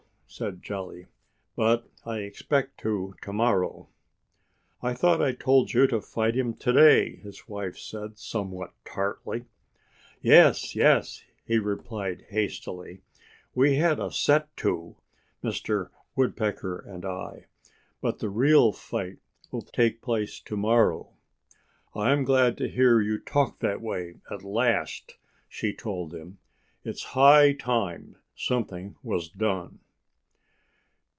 said Jolly. "But I expect to to morrow." "I thought I told you to fight him to day," said his wife somewhat tartly. "Yes! Yes!" he replied hastily. "We had a set to—Mr. Woodpecker and I. But the real fight will take place to morrow." "I'm glad to hear you talk that way at last," she told him. "It's high time something was done."